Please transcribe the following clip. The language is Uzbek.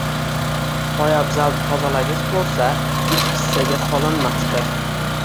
Poyabzal tozalagich bo'lsa, ich kissaga solinmasdi.